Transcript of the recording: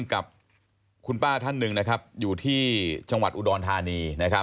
กับคุณป้าท่านหนึ่งนะครับอยู่ที่จังหวัดอุดรธานี